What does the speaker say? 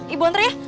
ibu antar ya